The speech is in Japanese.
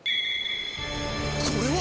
これは。